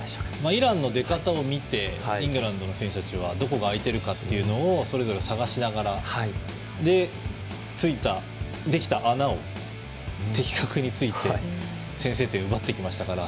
イランの出方を見てイングランドの選手はどこが空いてるかというのをそれぞれ探しながらでそれでできた穴を的確に突いて先制点を奪いましたから。